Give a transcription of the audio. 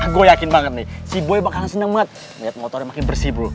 gue yakin banget nih si boy bakalan seneng banget liat motornya makin bersih bro